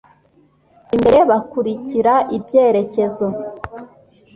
imbere bakurikira ibyerekezo